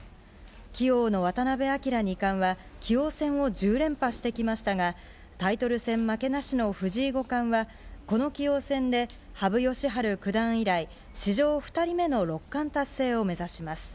棋王の渡辺明二冠は、棋王戦を１０連覇してきましたが、タイトル戦負けなしの藤井五冠は、この棋王戦で羽生善治九段以来、史上２人目の六冠達成を目指します。